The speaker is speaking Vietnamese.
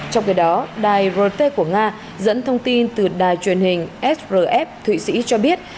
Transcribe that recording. trong khi đó đài rt của nga dẫn thông tin từ đài truyền hình srf thụy sĩ cho biết